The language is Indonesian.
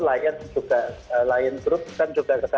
lion juga lion group kan juga